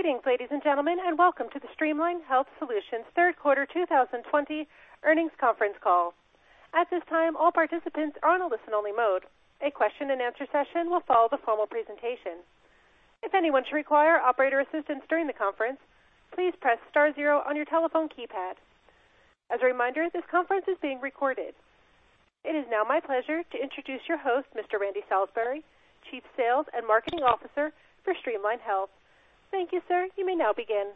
Greetings, ladies and gentlemen, and welcome to Streamline Health Solutions' third quarter 2020 earnings conference call. At this time, all participants are in a listen-only mode. A question-and-answer session will follow the formal presentation. If anyone should require operator assistance during the conference, please press star zero on your telephone keypad. As a reminder, this conference is being recorded. It is now my pleasure to introduce your host, Mr. Randy Salisbury, Chief Sales and Marketing Officer for Streamline Health. Thank you, sir. You may now begin.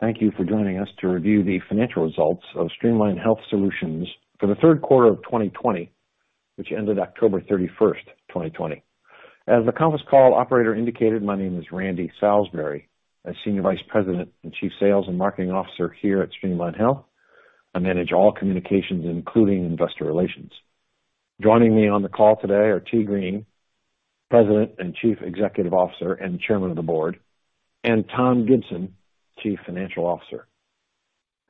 Thank you for joining us to review the financial results of Streamline Health Solutions for the third quarter of 2020, which ended October 31st, 2020. As the conference call operator indicated, my name is Randy Salisbury. I'm Senior Vice President and Chief Sales and Marketing Officer here at Streamline Health. I manage all communications, including investor relations. Joining me on the call today are Tee Green, President and Chief Executive Officer, and Chairman of the Board, and Tom Gibson, Chief Financial Officer.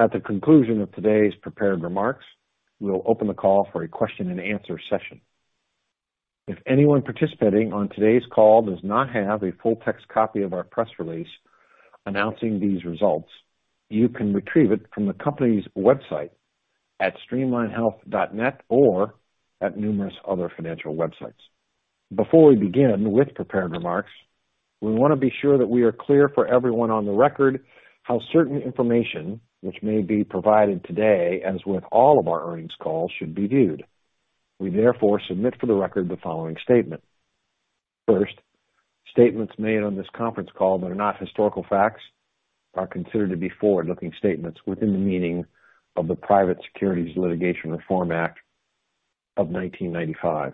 At the conclusion of today's prepared remarks, we'll open the call for a question-and-answer session. If anyone participating in today's call does not have a full text copy of our press release announcing these results, you can retrieve it from the company's website at streamlinehealth.net or at numerous other financial websites. Before we begin with prepared remarks, we want to be sure that we are clear for everyone on the record how certain information that may be provided today, as with all of our earnings calls, should be viewed. We therefore submit for the record the following statement. First, statements made on this conference call that are not historical facts are considered to be forward-looking statements within the meaning of the Private Securities Litigation Reform Act of 1995.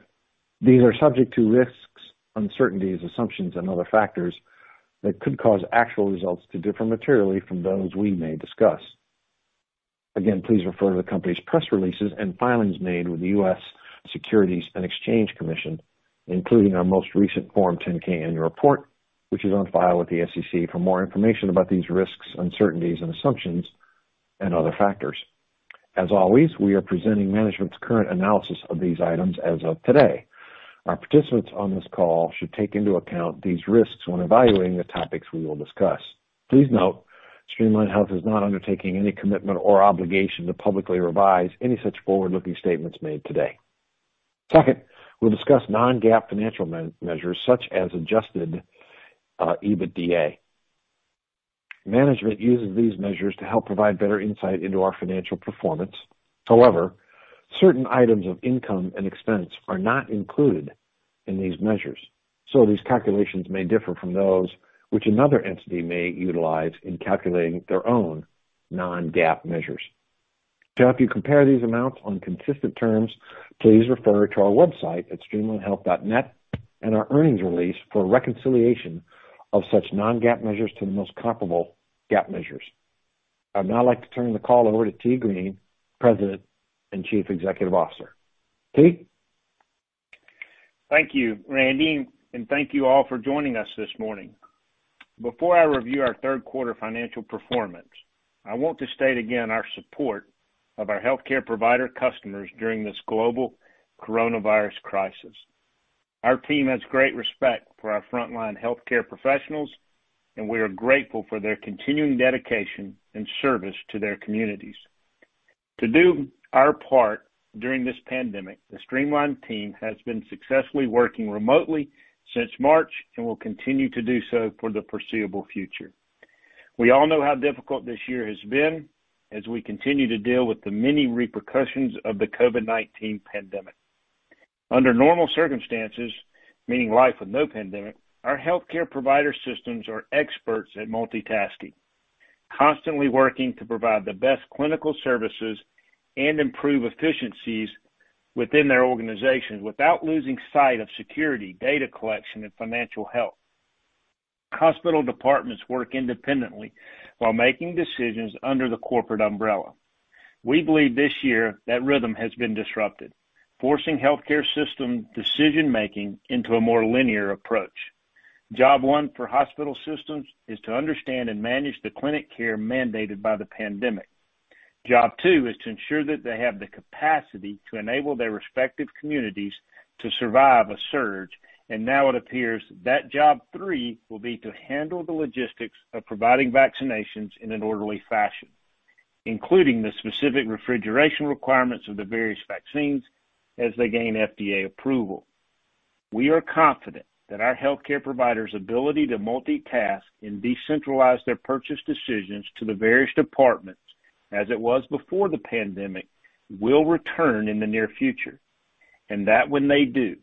These are subject to risks, uncertainties, assumptions, and other factors that could cause actual results to differ materially from those we may discuss. Again, please refer to the company's press releases and filings made with the U.S. Securities and Exchange Commission, including our most recent Form 10-K Annual Report, which is on file with the SEC, for more information about these risks, uncertainties, and assumptions and other factors. As always, we are presenting management's current analysis of these items as of today. Our participants on this call should take into account these risks when evaluating the topics we will discuss. Please note that Streamline Health is not undertaking any commitment or obligation to publicly revise any such forward-looking statements made today. We'll discuss non-GAAP financial measures such as adjusted EBITDA. Management uses these measures to help provide better insight into our financial performance. Certain items of income and expense are not included in these measures. These calculations may differ from those that another entity may utilize in calculating its own non-GAAP measures. If you compare these amounts on consistent terms, please refer to our website at streamlinehealth.net and our earnings release for a reconciliation of such non-GAAP measures to the most comparable GAAP measures. I'd now like to turn the call over to Tee Green, President and Chief Executive Officer. Tee? Thank you, Randy, and thank you all for joining us this morning. Before I review our third quarter financial performance, I want to state our support for our healthcare provider customers again during this global coronavirus crisis. Our team has great respect for our frontline healthcare professionals, and we are grateful for their continuing dedication and service to their communities. To do our part during this pandemic, the Streamline team has been successfully working remotely since March and will continue to do so for the foreseeable future. We all know how difficult this year has been as we continue to deal with the many repercussions of the COVID-19 pandemic. Under normal circumstances, meaning life with no pandemic, our healthcare provider systems are experts at multitasking, constantly working to provide the best clinical services and improve efficiencies within their organizations without losing sight of security, data collection, and financial health. Hospital departments work independently while making decisions under the corporate umbrella. We believe this year that rhythm has been disrupted, forcing healthcare system decision-making into a more linear approach. Job one for hospital systems is to understand and manage the clinical care mandated by the pandemic. Job two is to ensure that they have the capacity to enable their respective communities to survive a surge. Now it appears that job three will be to handle the logistics of providing vaccinations in an orderly fashion, including the specific refrigeration requirements of the various vaccines as they gain FDA approval. We are confident that our healthcare providers' ability to multitask and decentralize their purchase decisions to the various departments, as it was before the pandemic, will return in the near future, and that when they do,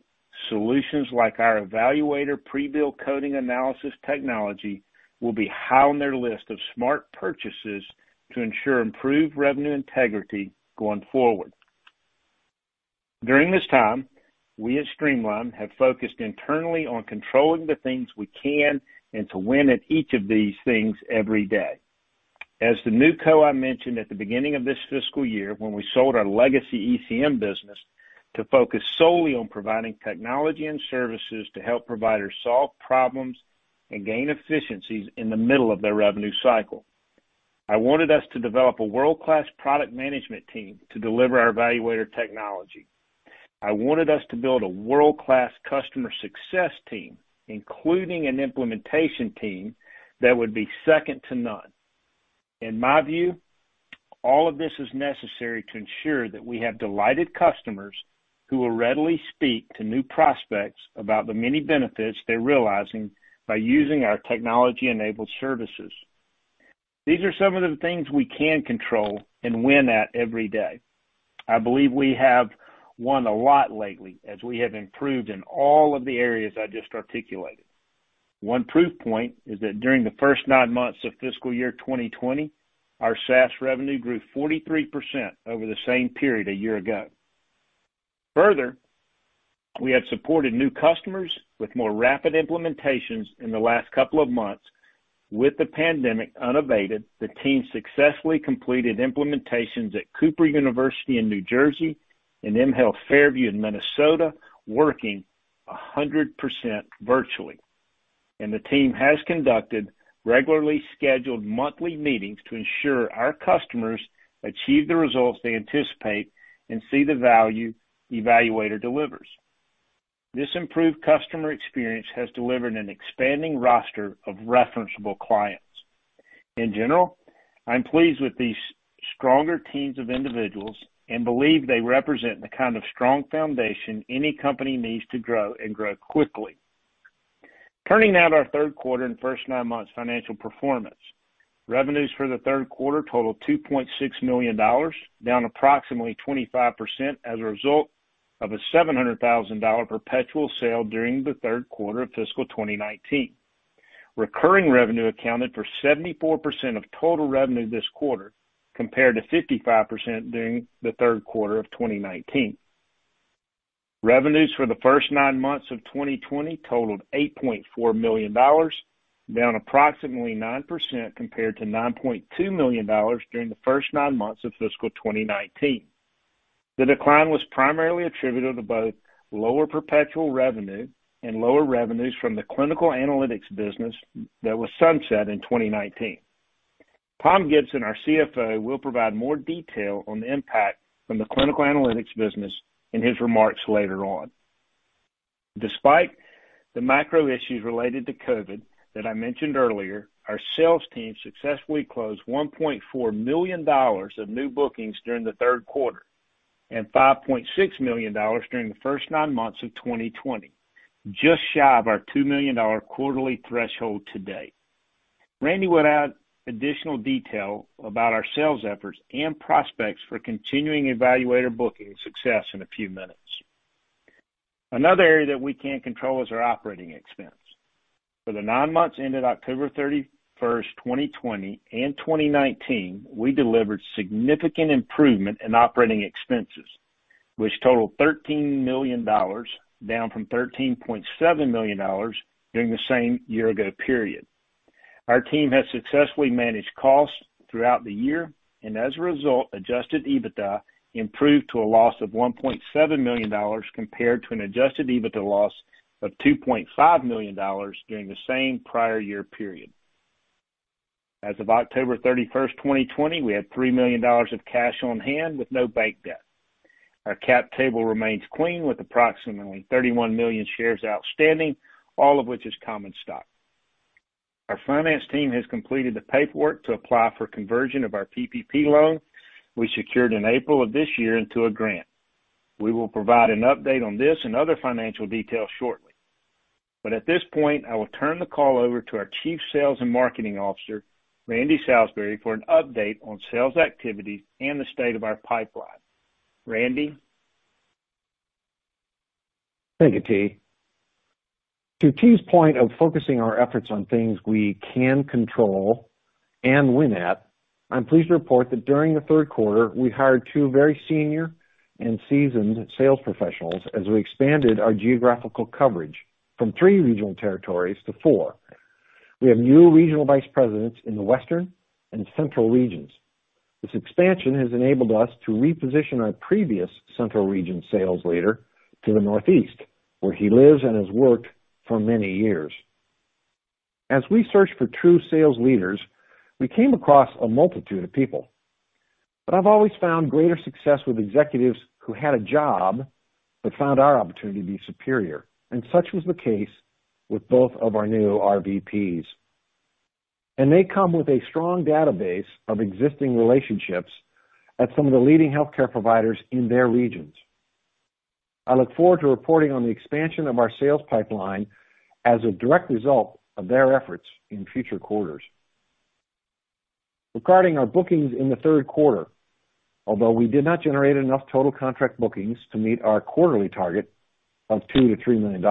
solutions like our eValuator pre-bill coding analysis technology will be high on their list of smart purchases to ensure improved revenue integrity going forward. During this time, we at Streamline have focused internally on controlling the things we can and winning at each of these things every day. As the new CEO, I mentioned at the beginning of this fiscal year that when we sold our legacy ECM business to focus solely on providing technology and services to help providers solve problems and gain efficiencies in the middle of their revenue cycle. I wanted us to develop a world-class product management team to deliver our eValuator technology. I wanted us to build a world-class customer success team, including an implementation team that would be second to none. In my view, all of this is necessary to ensure that we have delighted customers who will readily speak to new prospects about the many benefits they're realizing by using our technology-enabled services. These are some of the things we can control and win every day. I believe we have won a lot lately as we have improved in all of the areas I just articulated. One proof point is that during the first nine months of fiscal year 2020, our SaaS revenue grew 43% over the same period a year ago. Further, we have supported new customers with more rapid implementations in the last couple of months. With the pandemic unabated, the team successfully completed implementations at Cooper University in New Jersey and M Health Fairview in Minnesota, working 100% virtually. The team has conducted regularly scheduled monthly meetings to ensure our customers achieve the results they anticipate and see the value eValuator delivers. This improved customer experience has delivered an expanding roster of referenceable clients. In general, I'm pleased with these stronger teams of individuals and believe they represent the kind of strong foundation any company needs to grow and grow quickly. Turning now to our third quarter and first nine months financial performance. Revenues for the third quarter totaled $2.6 million, down approximately 25% as a result of a $700,000 perpetual sale during the third quarter of fiscal 2019. Recurring revenue accounted for 74% of total revenue this quarter compared to 55% during the third quarter of 2019. Revenues for the first nine months of 2020 totaled $8.4 million, down approximately 9% compared to $9.2 million during the first nine months of fiscal 2019. The decline was primarily attributed to both lower perpetual revenue and lower revenues from the Clinical Analytics business, which was sunset in 2019. Tom Gibson, our CFO, will provide more details on the impact of the Clinical Analytics business in his remarks later on. Despite the macro issues related to COVID-19 that I mentioned earlier, our sales team successfully closed $1.4 million of new bookings during the third quarter and $5.6 million during the first nine months of 2020, just shy of our $2 million quarterly threshold to date. Randy will add additional detail about our sales efforts and prospects for continuing eValuator booking success in a few minutes. Another area that we can control is our operating expense. For the nine months ended October 31st, 2020, and 2019, we delivered significant improvement in operating expenses, which totaled $13 million, down from $13.7 million during the same year-ago period. Our team has successfully managed costs throughout the year, and as a result, Adjusted EBITDA improved to a loss of $1.7 million compared to an Adjusted EBITDA loss of $2.5 million during the same prior year period. As of October 31st, 2020, we had $3 million of cash on hand with no bank debt. Our cap table remains clean with approximately 31 million shares outstanding, all of which is common stock. Our finance team has completed the paperwork to apply for the conversion of our PPP loan, which we secured in April of this year into a grant. We will provide an update on this and other financial details shortly. At this point, I will turn the call over to our Chief Sales and Marketing Officer, Randy Salisbury, for an update on sales activity and the state of our pipeline. Randy? Thank you, Tee. To Tee's point of focusing our efforts on things we can control and win at, I'm pleased to report that during the third quarter, we hired two very senior and seasoned sales professionals as we expanded our geographical coverage from three regional territories to four. We have new regional vice presidents in the Western and Central regions. This expansion has enabled us to reposition our previous Central Region sales leader to the Northeast, where he lives and has worked for many years. As we searched for true sales leaders, we came across a multitude of people, but I've always found greater success with executives who had a job but found our opportunity to be superior, and such was the case with both of our new RVPs. They come with a strong database of existing relationships at some of the leading healthcare providers in their regions. I look forward to reporting on the expansion of our sales pipeline as a direct result of their efforts in future quarters. Regarding our bookings in the third quarter, although we did not generate enough total contract bookings to meet our quarterly target of $2 million-$3 million,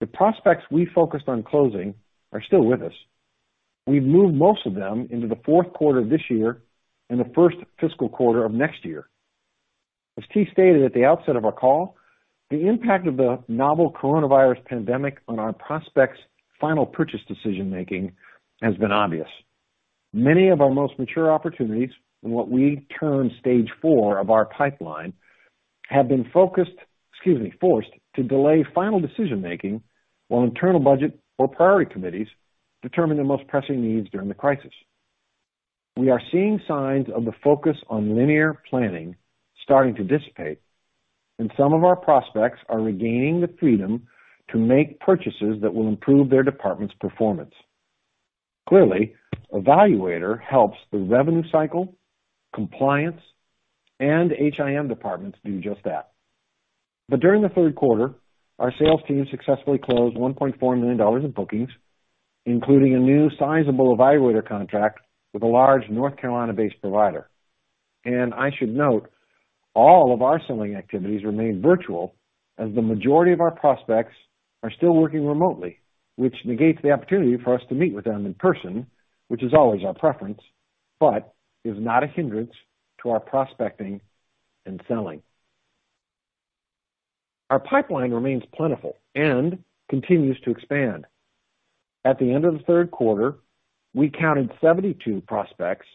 the prospects we focused on closing are still with us. We've moved most of them into the fourth quarter of this year and the first fiscal quarter of next year. As Tee stated at the outset of our call, the impact of the novel coronavirus pandemic on our prospects' final purchase decision-making has been obvious. Many of our most mature opportunities in what we term Stage 4 of our pipeline have been forced to delay final decision-making while internal budget or priority committees determine the most pressing needs during the crisis. We are seeing signs of the focus on linear planning starting to dissipate, and some of our prospects are regaining the freedom to make purchases that will improve their department's performance. Clearly, eValuator helps the revenue cycle, compliance, and HIM departments do just that. During the third quarter, our sales team successfully closed $1.4 million in bookings, including a new sizable eValuator contract with a large North Carolina-based provider. I should note that all of our selling activities remain virtual as the majority of our prospects are still working remotely, which negates the opportunity for us to meet with them in person, which is always our preference, but is not a hindrance to our prospecting and selling. Our pipeline remains plentiful and continues to expand. At the end of the third quarter, we counted 72 prospects,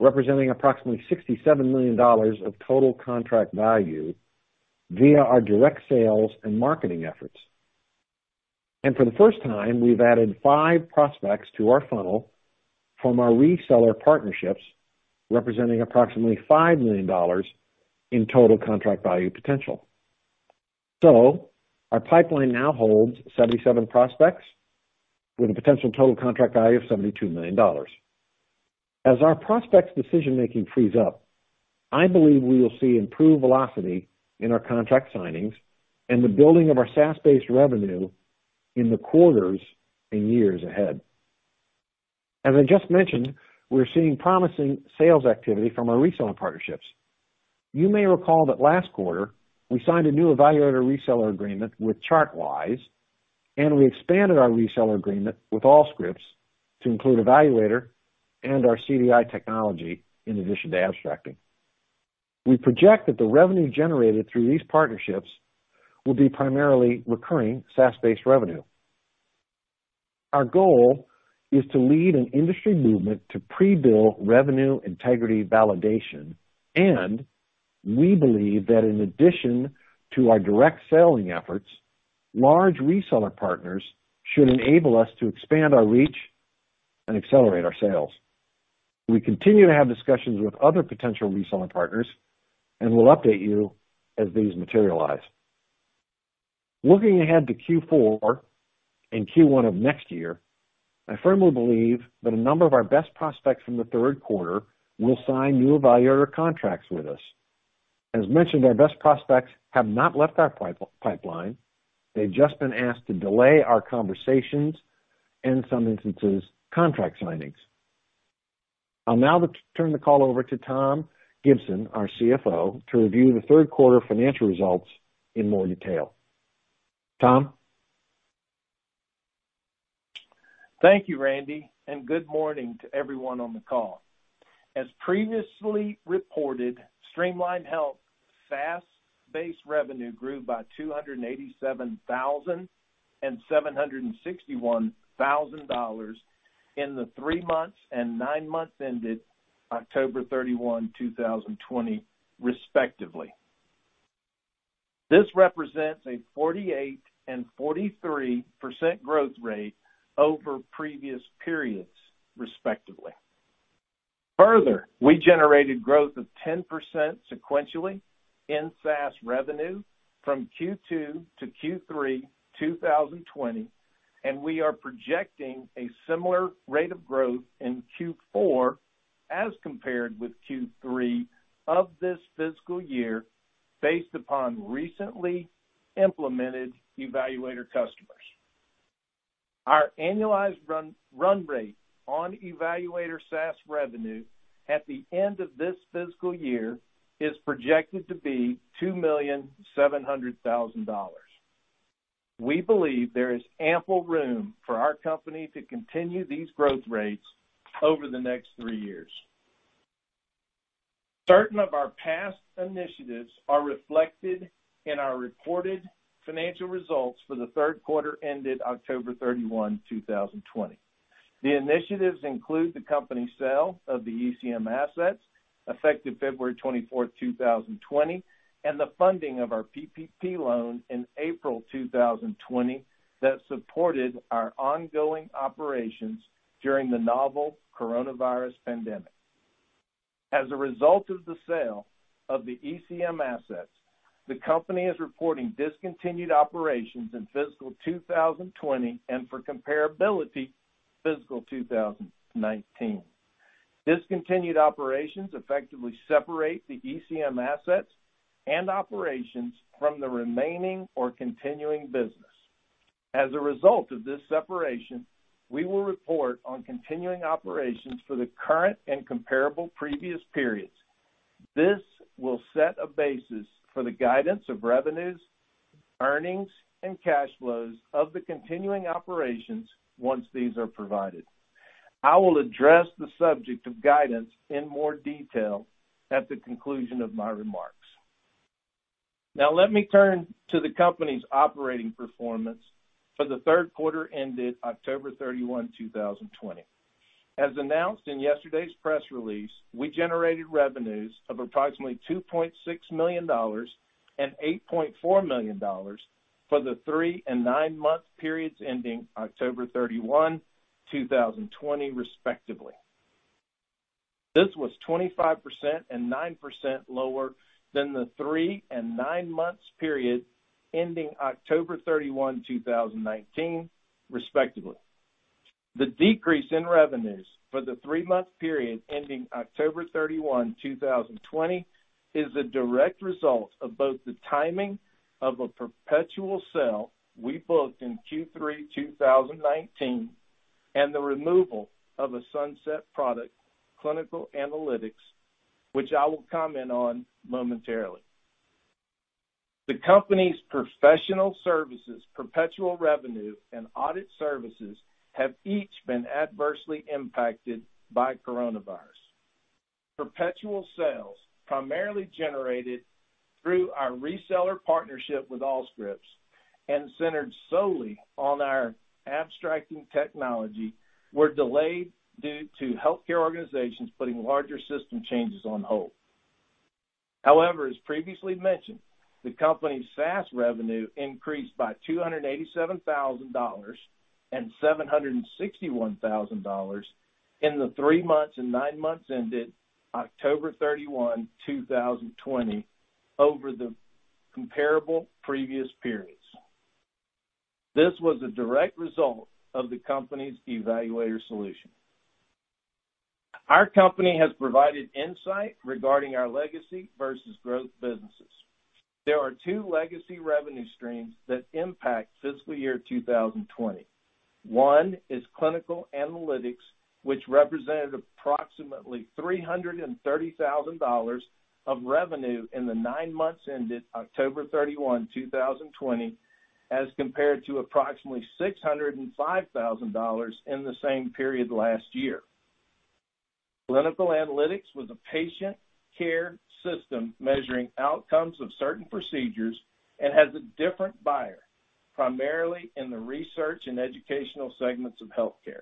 representing approximately $67 million of total contract value via our direct sales and marketing efforts. For the first time, we've added five prospects to our funnel from our reseller partnerships, representing approximately $5 million in total contract value potential. Our pipeline now holds 77 prospects with a potential total contract value of $72 million. As our prospects' decision-making frees up, I believe we will see improved velocity in our contract signings and the building of our SaaS-based revenue in the quarters and years ahead. As I just mentioned, we're seeing promising sales activity from our reseller partnerships. You may recall that last quarter, we signed a new eValuator reseller agreement with ChartWise, and we expanded our reseller agreement with Allscripts to include eValuator and our CDI technology, in addition to Abstracting. We project that the revenue generated through these partnerships will be primarily recurring SaaS-based revenue. Our goal is to lead an industry movement to pre-bill revenue integrity validation, and we believe that, in addition to our direct selling efforts, large reseller partners should enable us to expand our reach and accelerate our sales. We continue to have discussions with other potential reseller partners, and we'll update you as these materialize. Looking ahead to Q4 and Q1 of next year, I firmly believe that a number of our best prospects from the third quarter will sign new eValuator contracts with us. As mentioned, our best prospects have not left our pipeline. They've just been asked to delay our conversations, in some instances, contract signings. I'll now turn the call over to Tom Gibson, our CFO, to review the third quarter financial results in more detail. Tom? Thank you, Randy. Good morning to everyone on the call. As previously reported, Streamline Health SaaS-based revenue grew by $287,000 and $761,000 in the three months and nine months ended October 31, 2020, respectively. This represents a 48% and 43% growth rate over previous periods, respectively. We generated growth of 10% sequentially in SaaS revenue from Q2 to Q3 2020, and we are projecting a similar rate of growth in Q4 as compared with Q3 of this fiscal year, based on recently implemented eValuator customers. Our annualized run rate on eValuator SaaS revenue at the end of this fiscal year is projected to be $2.7 million. We believe there is ample room for our company to continue these growth rates over the next three years. Certain of our past initiatives are reflected in our reported financial results for the third quarter ended October 31, 2020. The initiatives include the company's sale of the ECM assets effective February 24, 2020, and the funding of our PPP loan in April 2020 that supported our ongoing operations during the novel coronavirus pandemic. As a result of the sale of the ECM assets, the company is reporting discontinued operations in fiscal 2020 and for comparability, fiscal 2019. Discontinued operations effectively separate the ECM assets and operations from the remaining or continuing business. As a result of this separation, we will report on continuing operations for the current and comparable previous periods. This will set a basis for the guidance of revenues, earnings, and cash flows of the continuing operations once these are provided. I will address the subject of guidance in more detail at the conclusion of my remarks. Let me turn to the company's operating performance for the third quarter ended October 31, 2020. As announced in yesterday's press release, we generated revenues of approximately $2.6 million and $8.4 million for the three and nine-month periods ending October 31, 2020, respectively. This was 25% and 9% lower than the three and nine-month period ending October 31, 2019, respectively. The decrease in revenues for the three-month period ending October 31, 2020, is a direct result of both the timing of a perpetual sale we booked in Q3 2019, and the removal of a sunset product, Clinical Analytics, which I will comment on momentarily. The company's professional services, perpetual revenue, and audit services have each been adversely impacted by the coronavirus. Perpetual sales, primarily generated through our reseller partnership with Allscripts and centered solely on our Abstracting technology, were delayed due to healthcare organizations putting larger system changes on hold. However, as previously mentioned, the company's SaaS revenue increased by $287,000 and $761,000 in the three months and nine months ended October 31, 2020, over the comparable previous periods. This was a direct result of the company's eValuator solution. Our company has provided insight regarding our legacy versus growth businesses. There are two legacy revenue streams that impact fiscal year 2020. One is Clinical Analytics, which represented approximately $330,000 of revenue in the nine months ended October 31, 2020, as compared to approximately $605,000 in the same period last year. Clinical Analytics was a patient care system measuring outcomes of certain procedures and has a different buyer, primarily in the research and educational segments of healthcare.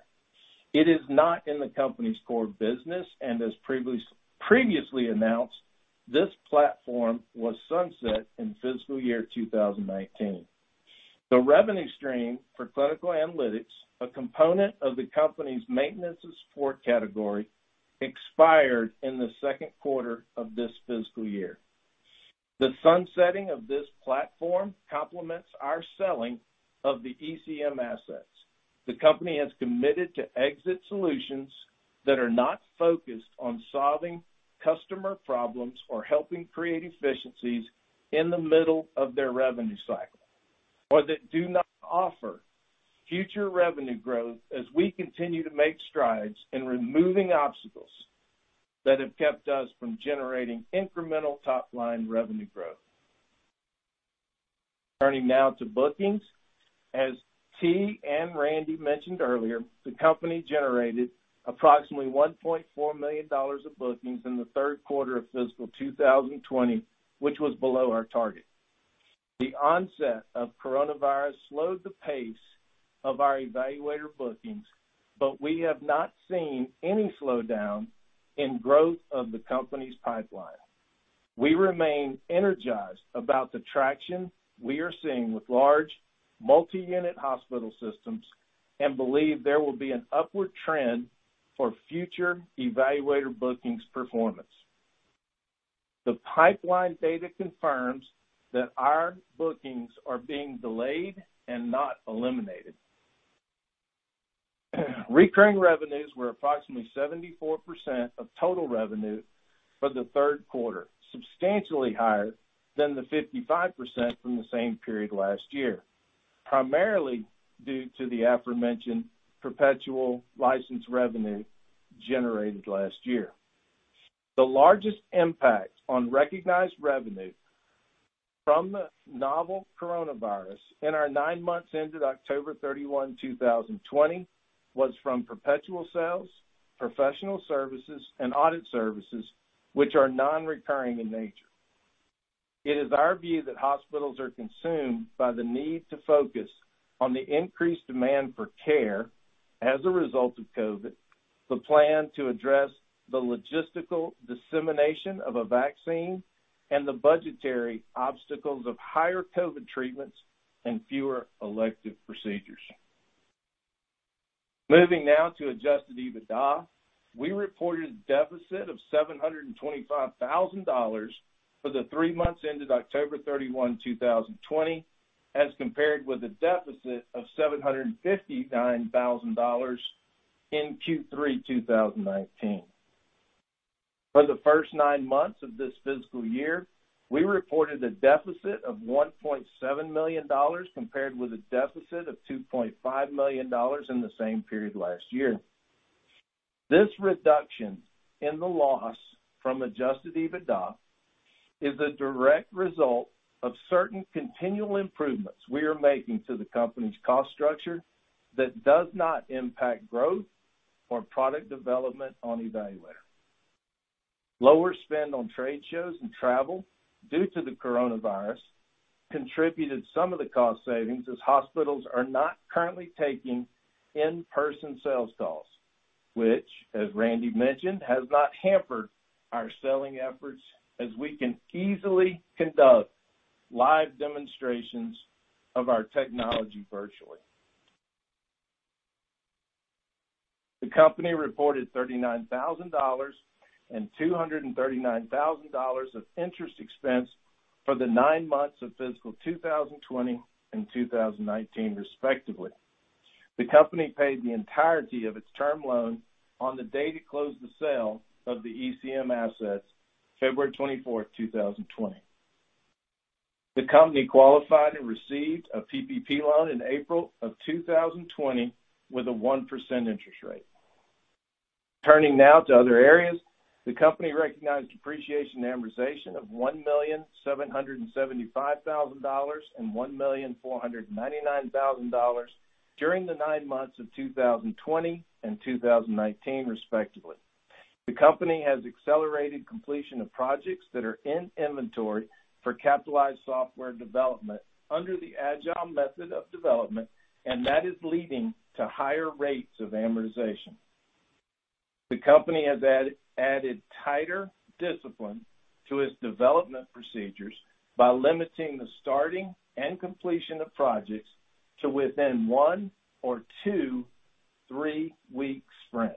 It is not in the company's core business, and as previously announced, this platform was sunset in fiscal year 2019. The revenue stream for Clinical Analytics, a component of the company's maintenance and support category, expired in the second quarter of this fiscal year. The sunsetting of this platform complements our sale of the ECM assets. The company has committed to exit solutions that are not focused on solving customer problems or helping create efficiencies in the middle of their revenue cycle, or that do not offer future revenue growth as we continue to make strides in removing obstacles that have kept us from generating incremental top-line revenue growth. Turning now to bookings. As Tee and Randy mentioned earlier, the company generated approximately $1.4 million of bookings in the third quarter of fiscal 2020, which was below our target. The onset of coronavirus slowed the pace of our eValuator bookings, but we have not seen any slowdown in the growth of the company's pipeline. We remain energized about the traction we are seeing with large multi-unit hospital systems and believe there will be an upward trend for future eValuator bookings performance. The pipeline data confirms that our bookings are being delayed and not eliminated. Recurring revenues were approximately 74% of total revenue for the third quarter, substantially higher than the 55% from the same period last year, primarily due to the aforementioned perpetual license revenue generated last year. The largest impact on recognized revenue from the novel coronavirus in our nine months ended October 31, 2020, was from perpetual sales, professional services, and audit services, which are non-recurring in nature. It is our view that hospitals are consumed by the need to focus on the increased demand for care as a result of COVID-19, the plan to address the logistical dissemination of a vaccine, and the budgetary obstacles of higher COVID-19 treatments and fewer elective procedures. Moving now to Adjusted EBITDA. We reported a deficit of $725,000 for the three months ended October 31, 2020, as compared with a deficit of $759,000 in Q3 2019. For the first nine months of this fiscal year, we reported a deficit of $1.7 million compared with a deficit of $2.5 million in the same period last year. This reduction in the loss from Adjusted EBITDA is a direct result of certain continual improvements we are making to the company's cost structure that do not impact growth or product development on eValuator. Lower spending on trade shows and travel due to the coronavirus contributed some of the cost savings, as hospitals are not currently taking in-person sales calls, which, as Randy mentioned, has not hampered our selling efforts as we can easily conduct live demonstrations of our technology virtually. The company reported $39,000 and $239,000 of interest expense for the nine months of fiscal 2020 and 2019, respectively. The company paid the entirety of its term loan on the day it closed the sale of the ECM assets, February 24, 2020. The company qualified and received a PPP loan in April of 2020 with a 1% interest rate. Turning now to other areas. The company recognized depreciation and amortization of $1.775 million and $1.499 million during the nine months of 2020 and 2019, respectively. The company has accelerated the completion of projects that are in inventory for capitalized software development under the Agile method of development, and that is leading to higher rates of amortization. The company has added tighter discipline to its development procedures by limiting the starting and completion of projects to within one or two three-week sprints.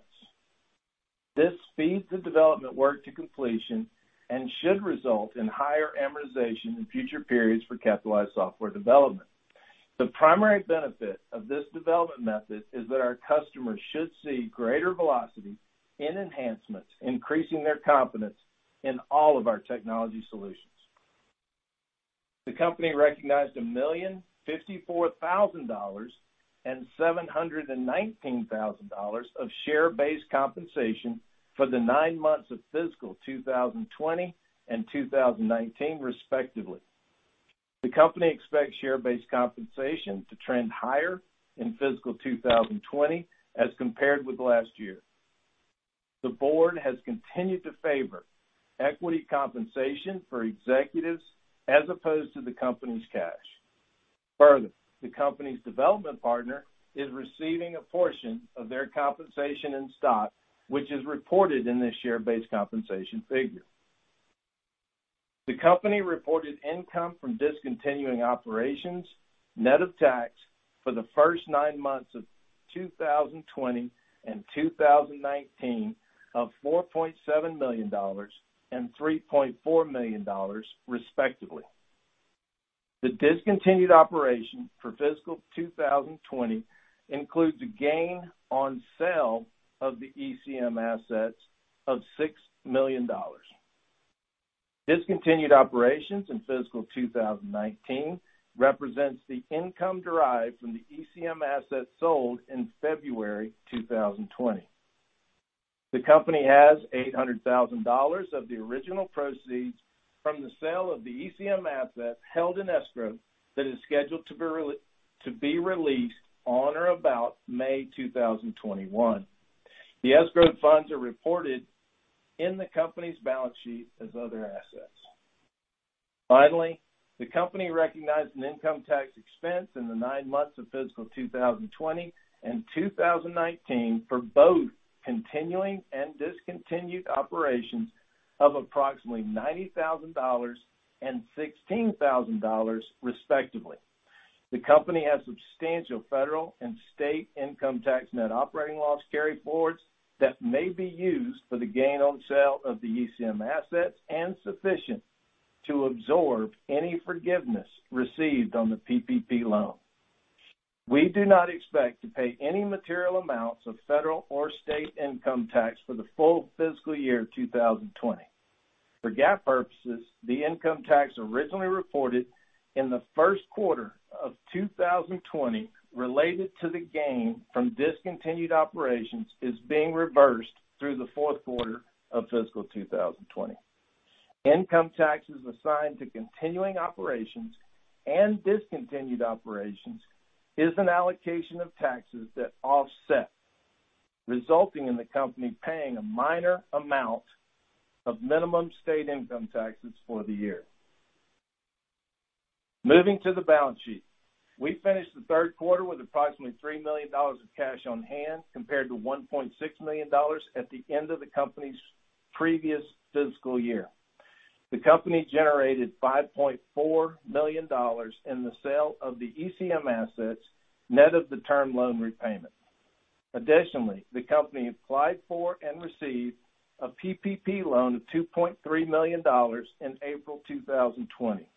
This speeds the development work to completion and should result in higher amortization in future periods for capitalized software development. The primary benefit of this development method is that our customers should see greater velocity in enhancements, increasing their confidence in all of our technology solutions. The company recognized $1.054 million and $719,000 of share-based compensation for the nine months of fiscal 2020 and 2019, respectively. The company expects share-based compensation to trend higher in fiscal 2020 as compared with last year. The board has continued to favor equity compensation for executives as opposed to the company's cash. Further, the company's development partner is receiving a portion of their compensation in stock, which is reported in this share-based compensation figure. The company reported income from discontinuing operations net of tax for the first nine months of 2020 and 2019 of $4.7 million and $3.4 million, respectively. The discontinued operation for fiscal 2020 includes a gain on sale of the ECM assets of $6 million. Discontinued operations in fiscal 2019 represent the income derived from the ECM assets sold in February 2020. The company has $800,000 of the original proceeds from the sale of the ECM assets held in escrow, which is scheduled to be released on or about May 2021. The escrowed funds are reported in the company's balance sheet as other assets. Finally, the company recognized an income tax expense in the nine months of fiscal 2020 and 2019 for both continuing and discontinued operations of approximately $90,000 and $16,000, respectively. The company has substantial federal and state income tax net operating loss carryforwards that may be used for the gain on sale of the ECM assets and are sufficient to absorb any forgiveness received on the PPP loan. We do not expect to pay any material amounts of federal or state income tax for the full fiscal year 2020. For GAAP purposes, the income tax originally reported in the first quarter of 2020 related to the gain from discontinued operations is being reversed through the fourth quarter of fiscal 2020. Income taxes assigned to continuing operations and discontinued operations are an allocation of taxes that offset, resulting in the company paying a minor amount of minimum state income taxes for the year. Moving to the balance sheet. We finished the third quarter with approximately $3 million of cash on hand compared to $1.6 million at the end of the company's previous fiscal year. The company generated $5.4 million in the sale of the ECM assets, net of the term loan repayment. Additionally, the company applied for and received a PPP loan of $2.3 million in April 2020.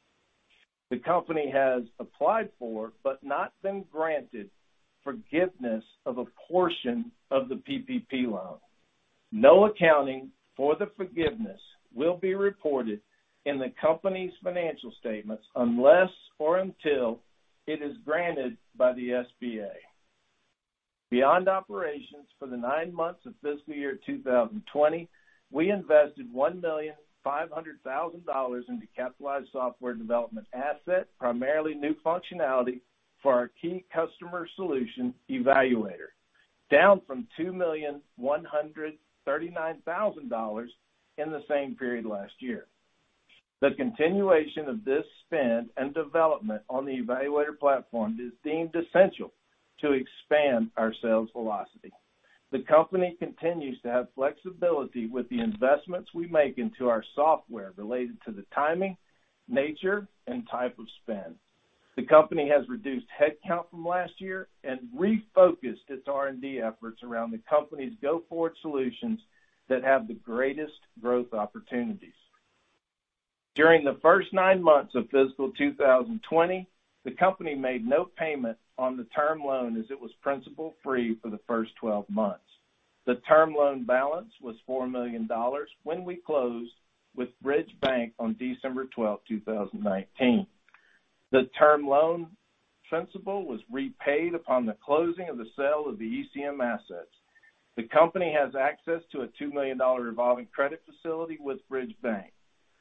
The company has applied for, but has not been granted forgiveness of a portion of the PPP loan. No accounting for the forgiveness will be reported in the company's financial statements unless or until it is granted by the SBA. Beyond operations for the nine months of fiscal year 2020, we invested $1.5 million into capitalized software development assets, primarily new functionality for our key customer solution eValuator. Down from $2.139 million in the same period last year. The continuation of this spend and development on the eValuator platform is deemed essential to expand our sales velocity. The company continues to have flexibility with the investments we make into our software related to the timing, nature, and type of spend. The company has reduced headcount from last year and refocused its R&D efforts around the company's go-forward solutions that have the greatest growth opportunities. During the first nine months of fiscal 2020, the company made no payment on the term loan as it was principal-free for the first 12 months. The term loan balance was $4 million when we closed with Bridge Bank on December 12, 2019. The term loan principal was repaid upon the closing of the sale of the ECM assets. The company has access to a $2 million revolving credit facility with Bridge Bank.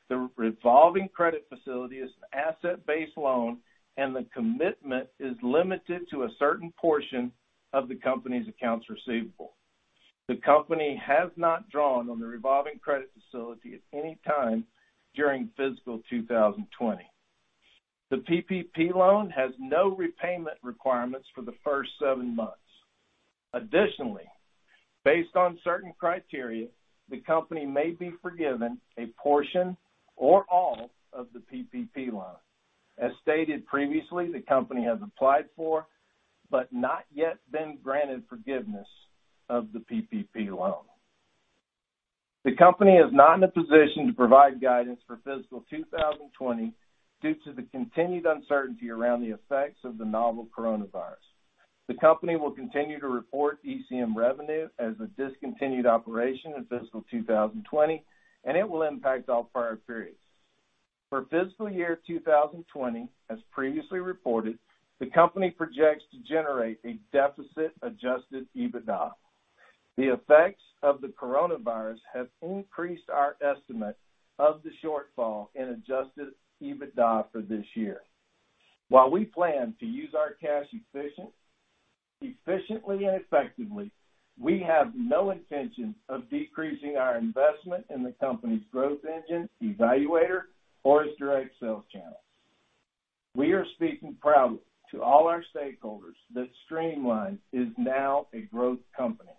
The revolving credit facility is an asset-based loan, and the commitment is limited to a certain portion of the company's accounts receivable. The company has not drawn on the revolving credit facility at any time during fiscal 2020. The PPP loan has no repayment requirements for the first seven months. Additionally, based on certain criteria, the company may be forgiven a portion or all of the PPP loan. As stated previously, the company has applied for, but has not yet been granted forgiveness of the PPP loan. The company is not in a position to provide guidance for fiscal 2020 due to the continued uncertainty around the effects of the novel coronavirus. The company will continue to report ECM revenue as a discontinued operation in fiscal 2020, and it will impact all prior periods. For fiscal year 2020, as previously reported, the company projects to generate a deficit-Adjusted EBITDA. The effects of the coronavirus have increased our estimate of the shortfall in Adjusted EBITDA for this year. While we plan to use our cash efficiently and effectively, we have no intention of decreasing our investment in the company's growth engine, eValuator, or its direct sales channel. We are speaking proudly to all our stakeholders that Streamline is now a growth company.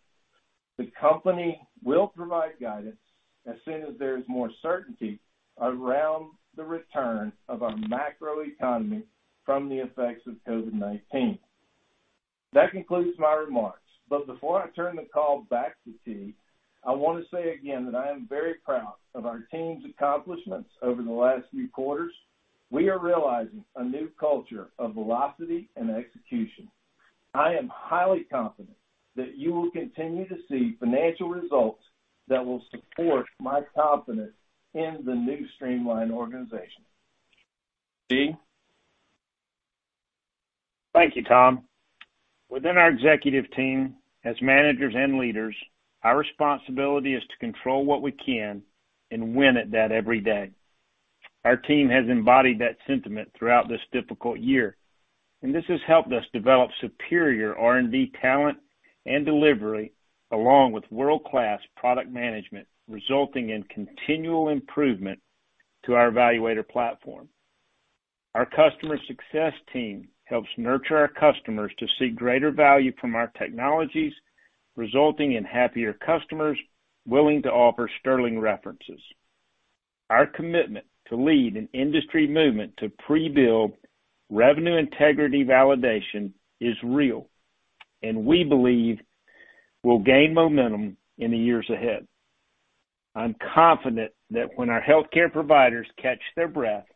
The company will provide guidance as soon as there is more certainty around the return of our macroeconomy from the effects of COVID-19. That concludes my remarks. Before I turn the call back to Tee, I want to say again that I am very proud of our team's accomplishments over the last few quarters. We are realizing a new culture of velocity and execution. I am highly confident that you will continue to see financial results that will support my confidence in the new Streamline organization. Tee? Thank you, Tom. Within our executive team, as managers and leaders, our responsibility is to control what we can and win at that every day. Our team has embodied that sentiment throughout this difficult year, and this has helped us develop superior R&D talent and delivery, along with world-class product management, resulting in continual improvement to our eValuator platform. Our customer success team helps nurture our customers to seek greater value from our technologies, resulting in happier customers willing to offer sterling references. Our commitment to lead an industry movement to pre-bill revenue integrity validation is real, and we believe will gain momentum in the years ahead. I'm confident that when our healthcare providers catch their breath,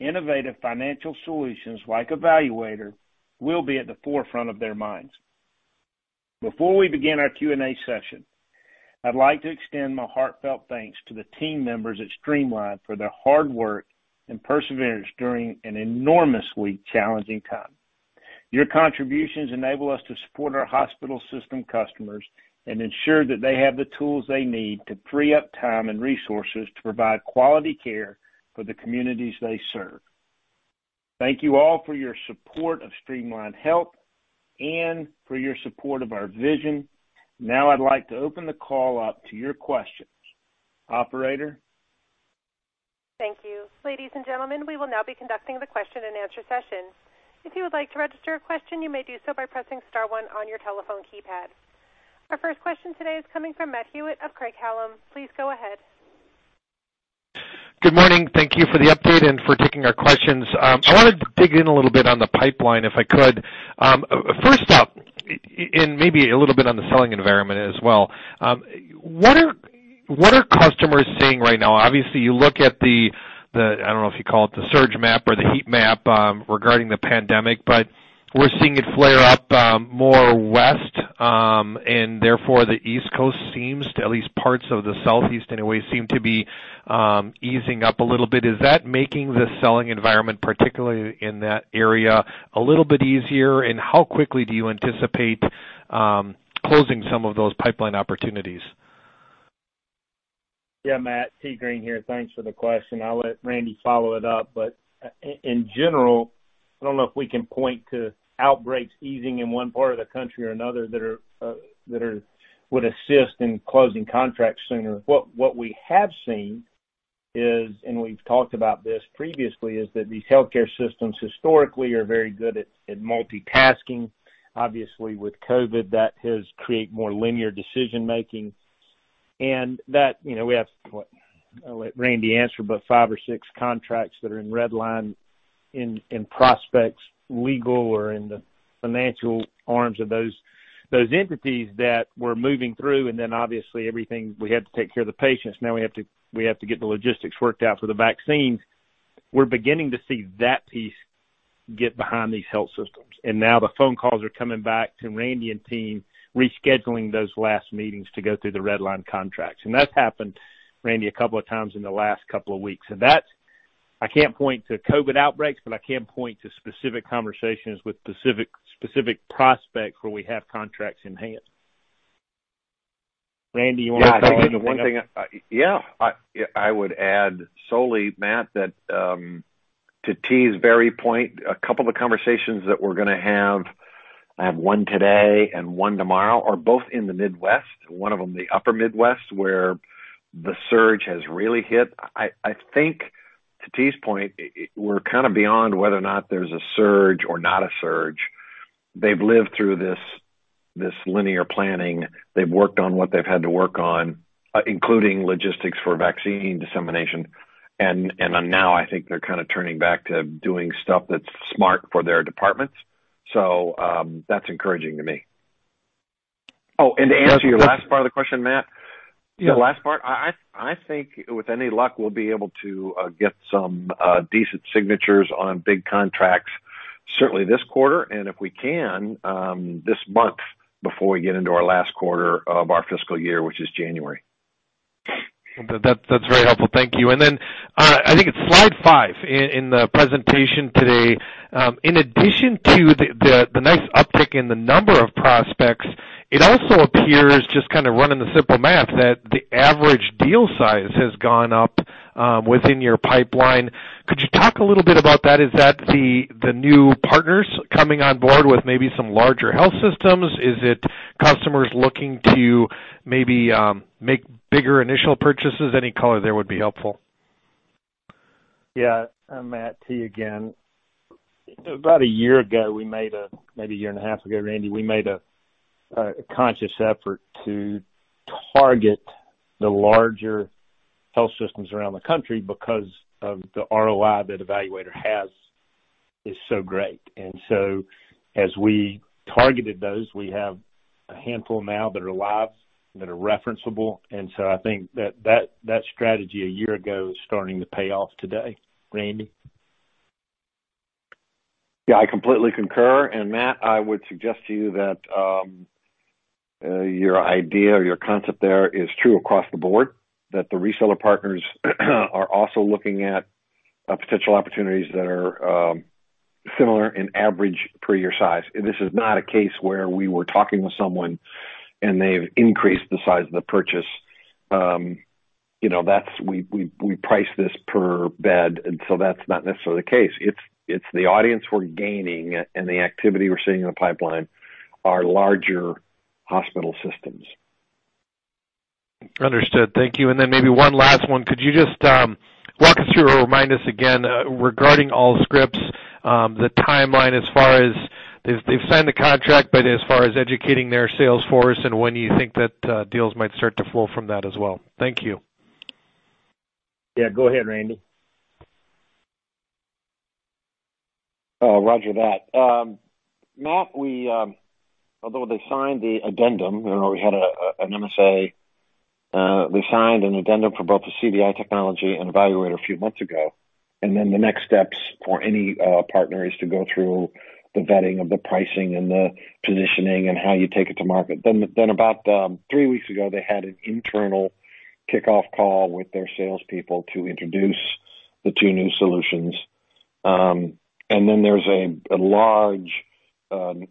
innovative financial solutions like eValuator will be at the forefront of their minds. Before we begin our Q&A session, I'd like to extend my heartfelt thanks to the team members at Streamline for their hard work and perseverance during an enormously challenging time. Your contributions enable us to support our hospital system customers and ensure that they have the tools they need to free up time and resources to provide quality care for the communities they serve. Thank you all for your support of Streamline Health and for your support of our vision. Now I'd like to open the call up to your questions. Operator? Thank you. Ladies and gentlemen, we will now be conducting the question-and-answer session. If you would like to register a question, you may do so by pressing star one on your telephone keypad. Our first question today is coming from Matt Hewitt of Craig-Hallum. Please go ahead. Good morning. Thank you for the update and for taking our questions. I wanted to dig in a little bit on the pipeline, if I could. First up, and maybe a little bit on the selling environment as well. What are customers seeing right now? Obviously, you look at the, I don't know if you call it the surge map or the heat map, regarding the pandemic, but we're seeing it flare up more west, and therefore the East Coast seems to, at least parts of the Southeast anyway, seem to be easing up a little bit. Is that making the selling environment, particularly in that area, a little bit easier? How quickly do you anticipate closing some of those pipeline opportunities? Yeah, Matt, Tee Green here. Thanks for the question. I'll let Randy follow it up. In general, I don't know if we can point to outbreaks easing in one part of the country or another that would assist in closing contracts sooner. What we have seen is, and we've talked about this previously, that these healthcare systems historically are very good at multitasking. Obviously, with COVID, that has created more linear decision-making and that we have, what, I'll let Randy answer, but five or six contracts that are in red line in prospects, legal or in the financial arms of those entities that we're moving through, and then obviously everything we had to take care of the patients, now we have to get the logistics worked out for the vaccines. We're beginning to see that piece get behind these health systems. Now the phone calls are coming back to Randy and the team, rescheduling those last meetings to go through the red line contracts. That's happened with Randy a couple of times in the last couple of weeks. That I can't point to COVID outbreaks, but I can point to specific conversations with specific prospects where we have contracts in hand. Randy, you want to comment on anything? Yeah. I would add solely, Matt, that to Tee's very point, a couple of conversations that we're going to have, I have one today and one tomorrow, are both in the Midwest, one of them, the upper Midwest, where the surge has really hit. I think to Tee's point, we're kind of beyond whether or not there's a surge or not a surge. They've lived through this linear planning. They've worked on what they've had to work on, including logistics for vaccine dissemination, and now I think they're kind of turning back to doing stuff that's smart for their departments. That's encouraging to me. To answer your last part of the question, Matt, the last part, I think with any luck, we'll be able to get some decent signatures on big contracts certainly this quarter, and if we can, this month before we get into our last quarter of our fiscal year, which is January. That's very helpful. Thank you. Then, I think it's slide five in the presentation today. In addition to the nice uptick in the number of prospects, it also appears that, just kind of running the simple math, the average deal size has gone up within your pipeline. Could you talk a little bit about that? Is that the new partners coming on board with maybe some larger health systems? Are customers looking to maybe make bigger initial purchases? Any color would be helpful. Yeah. Matt, Tee again. About a year ago, or maybe a year and a half ago, Randy and I made a conscious effort to target the larger health systems around the country because the ROI that eValuator has is so great. As we targeted those, we have a handful now that are live, that are referenceable. I think that strategy a year ago is starting to pay off today. Randy? Yeah, I completely concur. Matt, I would suggest to you that your idea or your concept is true across the board, that the reseller partners are also looking at potential opportunities that are similar in average per year size. This is not a case where we were talking with someone, and they've increased the size of the purchase. We price this per bed, and so that's not necessarily the case. It's the audience we're gaining, and the activity we're seeing in the pipeline is larger hospital systems. Understood. Thank you. Then maybe one last one. Could you just walk us through or remind us again, regarding Allscripts, the timeline as far as they've signed the contract, but as far as educating their sales force, and when you think that deals might start to flow from that as well? Thank you. Yeah. Go ahead, Randy. Roger that. Matt, although they signed the addendum, we had an MSA. We signed an addendum for both the CDI technology and eValuator a few months ago. The next steps for any partner are to go through the vetting of the pricing and the positioning, and how you take it to market. About three weeks ago, they had an internal kickoff call with their salespeople to introduce the two new solutions. There's a large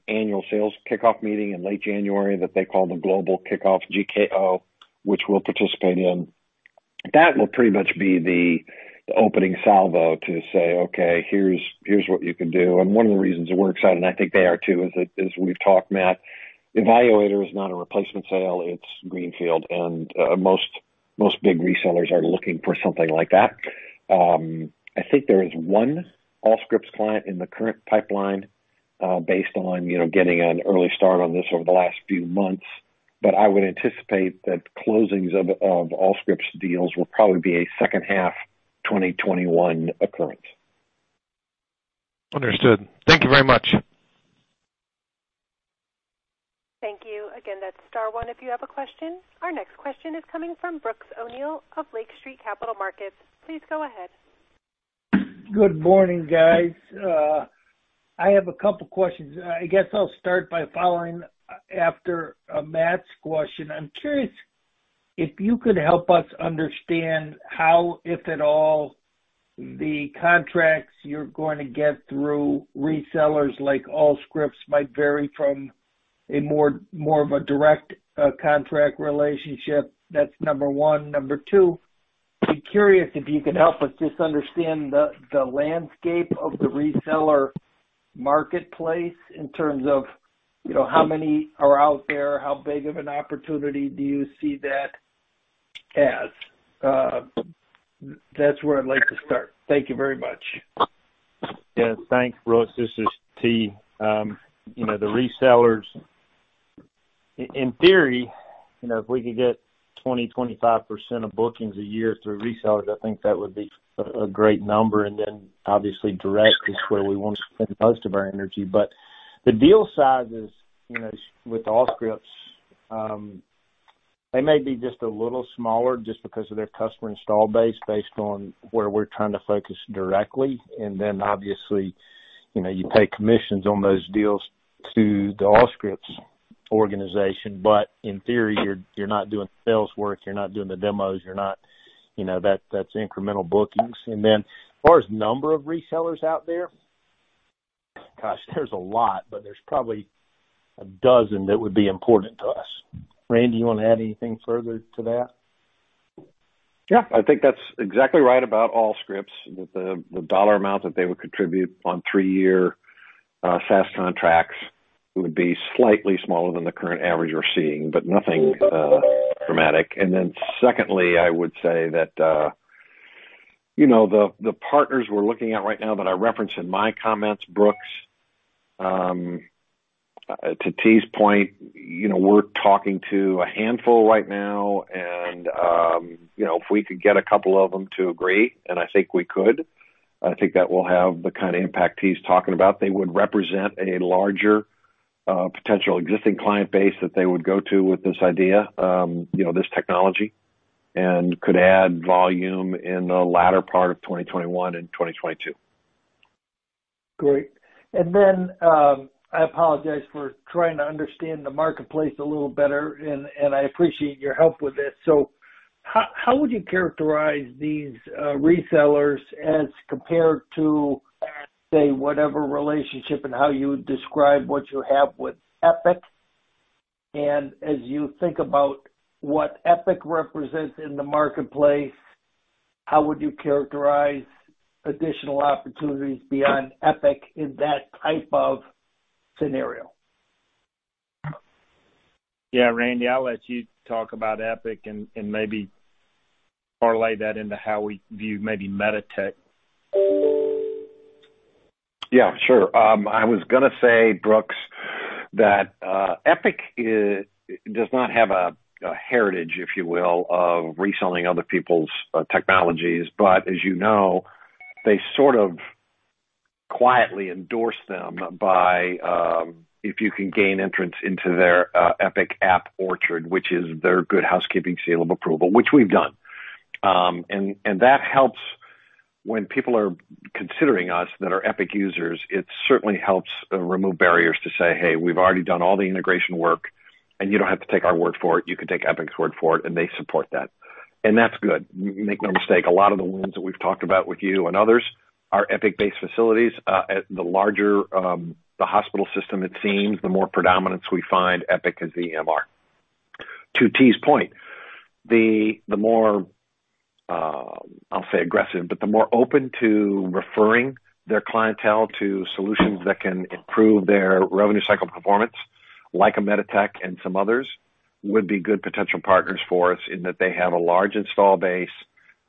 annual sales kickoff meeting in late January that they call the Global Kickoff, GKO, which we'll participate in. That will pretty much be the opening salvo to say, "Okay, here's what you can do." One of the reasons we're excited, and I think they are too, is that as we've talked, Matt, eValuator is not a replacement sale. It's greenfield, and most big resellers are looking for something like that. I think there is one Allscripts client in the current pipeline, based on getting an early start on this over the last few months, but I would anticipate that closings of Allscripts deals will probably be a second half 2021 occurrence. Understood. Thank you very much. Thank you. Again, that's star one if you have a question. Our next question is coming from Brooks O'Neil of Lake Street Capital Markets. Please go ahead. Good morning, guys. I have a couple of questions. I guess I'll start by following up on Matt's question. I'm curious if you could help us understand how, if at all, the contracts you're going to get through resellers like Allscripts might vary from a more direct contract relationship. That's number one. Number two, I'd be curious if you could help us just understand the landscape of the reseller marketplace in terms of how many are out there, and what big opportunity do you see? That's where I'd like to start. Thank you very much. Yes, thanks, Brooks. This is Tee. The resellers, in theory, if we could get 20%, 25% of bookings a year through resellers, I think that would be a great number. Obviously, direct is where we want to spend most of our energy. The deal sizes with Allscripts may be just a little smaller, just because of their customer install base, based on where we're trying to focus directly. Obviously, you pay commissions on those deals to the Allscripts organization. In theory, you're not doing the sales work, you're not doing the demos, that's incremental bookings. As far as the number of resellers out there, gosh, there's a lot, but there's probably a dozen that would be important to us. Randy, you want to add anything further to that? I think that's exactly right about Allscripts, that the dollar amount that they would contribute on three-year SaaS contracts would be slightly smaller than the current average we're seeing, nothing dramatic. Secondly, I would say that the partners we're looking at right now that I referenced in my comments, Brooks, to Tee's point, we're talking to a handful right now, and if we could get a couple of them to agree, I think we could, I think that will have the kind of impact Tee's talking about. They would represent a larger potential existing client base that they would go to with this idea, and this technology could add volume in the latter part of 2021 and 2022. Great. I apologize for trying to understand the marketplace a little better, and I appreciate your help with this. How would you characterize these resellers as compared to, say, whatever relationship, and how would you describe what you have with Epic? As you think about what Epic represents in the marketplace, how would you characterize additional opportunities beyond Epic in that type of scenario? Yeah, Randy, I'll let you talk about Epic and maybe parlay that into how we view maybe MEDITECH. Yeah, sure. I was going to say, Brooks, that Epic does not have a heritage, if you will, of reselling other people's technologies. As you know, they sort of quietly endorse them if you can gain entrance into their Epic App Orchard, which is their good housekeeping seal of approval, which we've done. That helps when people are considering us, who are Epic users; it certainly helps remove barriers to say, "Hey, we've already done all the integration work, and you don't have to take our word for it." You can take Epic's word for it, and they support that. That's good. Make no mistake, a lot of the ones that we've talked about with you and others are Epic-based facilities. The larger the hospital system, it seems, the more predominance we find Epic as EMR. To Tee's point, the more, I'll say aggressive, but the more open to referring their clientele to solutions that can improve their revenue cycle performance, like a MEDITECH and some others, would be good potential partners for us in that they have a large install base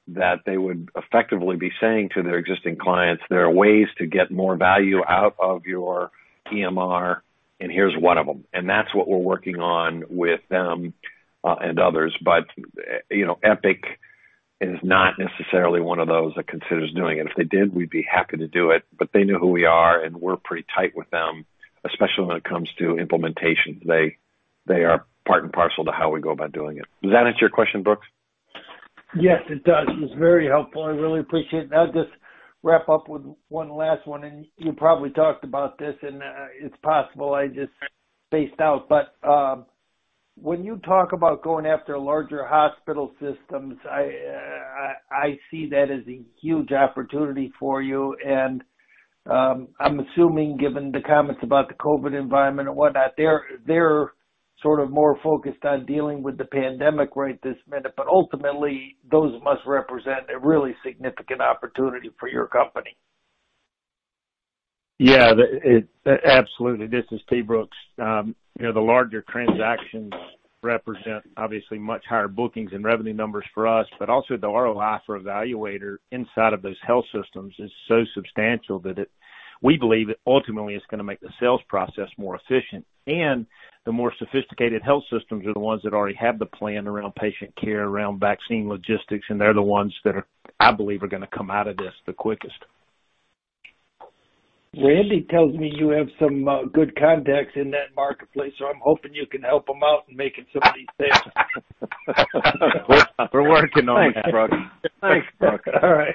that they would effectively be saying to their existing clients, there are ways to get more value out of your EMR, and here's one of them. That's what we're working on with them, and others. Epic is not necessarily one of those that considers doing it. If they did, we'd be happy to do it, but they know who we are, and we're pretty tight with them, especially when it comes to implementation. They are part and parcel to how we go about doing it. Does that answer your question, Brooks? Yes, it does. It's very helpful. I really appreciate it. I'll just wrap up with one last one. You probably talked about this, and it's possible I just spaced out, but when you talk about going after larger hospital systems, I see that as a huge opportunity for you. I'm assuming, given the comments about the COVID environment and whatnot, they're sort of more focused on dealing with the pandemic right this minute, but ultimately, those must represent a really significant opportunity for your company. Yeah. Absolutely. This is Tee, Brooks. The larger transactions represent obviously much higher bookings and revenue numbers for us, but also the ROI for eValuator inside of those health systems is so substantial that we believe that ultimately it's going to make the sales process more efficient. The more sophisticated health systems are the ones that already have the plan around patient care, around vaccine logistics, and they're the ones that I believe are going to come out of this the quickest. Randy tells me you have some good contacts in that marketplace, so I'm hoping you can help him out in making some of these sales. We're working on it, Brooks. Thanks, Brooks. All right.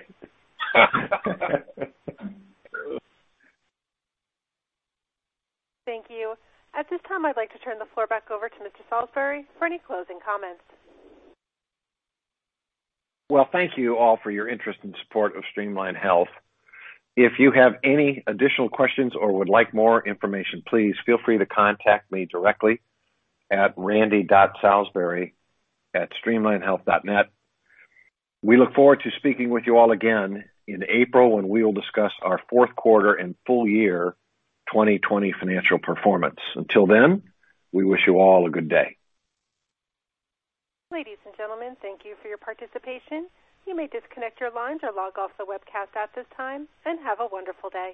Thank you. At this time, I'd like to turn the floor back over to Mr. Salisbury for any closing comments. Well, thank you all for your interest and support of Streamline Health. If you have any additional questions or would like more information, please feel free to contact me directly at randy.salisbury@streamlinehealth.net. We look forward to speaking with you all again in April, when we will discuss our fourth quarter and full year 2020 financial performance. Until then, we wish you all a good day. Ladies and gentlemen, thank you for your participation. You may disconnect your lines or log off the webcast at this time, and have a wonderful day.